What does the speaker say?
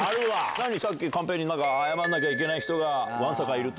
何、さっきカンペに謝らなきゃいけない人がわんさかいると。